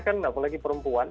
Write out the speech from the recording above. kan apalagi perempuan